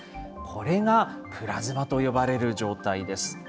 これがプラズマと呼ばれる状態です。